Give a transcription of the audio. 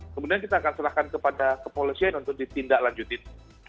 kemudian kita akan serahkan kepada kepolisian untuk ditindaklanjutin